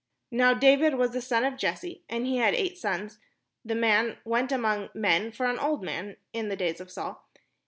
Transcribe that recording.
Now David was the son of Jesse; and he had eight sons : and the man went among men for an old man in the days of Saul.